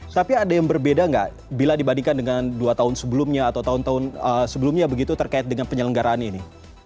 tapi ada yang berbeda nggak bila dibandingkan dengan dua tahun sebelumnya atau tahun tahun sebelumnya begitu terkait dengan penyelenggaraan ini